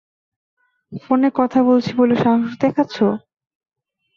ফোনে কথা বলছি বলে সাহস দেখাচ্ছো?